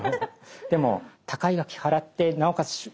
でも高い学費払ってなおかつ